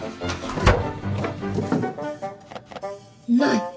ない！